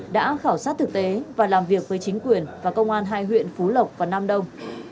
đã khảo sát thực tế và làm việc với chính quyền và công an hai huyện phú lộc và nam đông